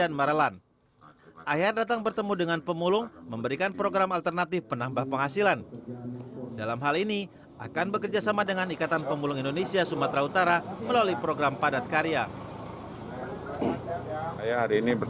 assalamualaikum warahmatullahi wabarakatuh